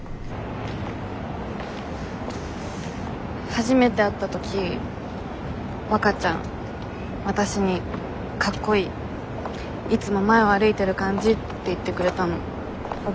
初めて会った時わかちゃんわたしに「かっこいい」「いつも前を歩いてる感じ」って言ってくれたの覚えてる？